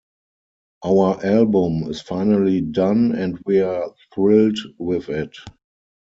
Our album is finally done and we're thrilled with it.